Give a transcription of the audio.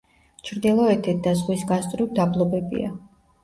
ჩრდილოეთით და ზღვის გასწვრივ დაბლობებია.